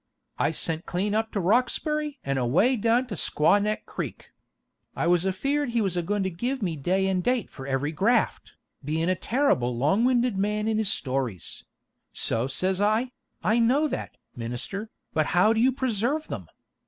I sent clean up to Roxberry and away down to Squawneck Creek.' I was afeard he was a goin' to give me day and date for every graft, bein' a terrible long winded man in his stories; so says I, 'I know that, minister, but how do you preserve them?'